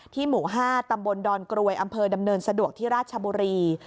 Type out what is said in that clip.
หมู่๕ตำบลดอนกรวยอำเภอดำเนินสะดวกที่ราชบุรี